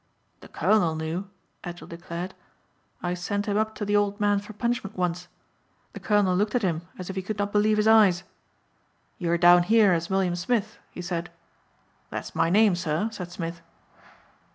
"The colonel knew," Edgell declared, "I sent him up to the old man for punishment once. The colonel looked at him as if he could not believe his eyes. 'You are down here as William Smith,' he said." "'That is my name, sir,' said Smith."